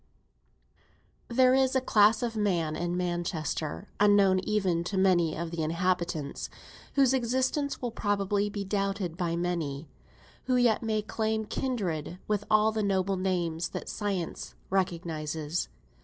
There is a class of men in Manchester, unknown even to many of the inhabitants, and whose existence will probably be doubted by many, who yet may claim kindred with all the noble names that science recognises.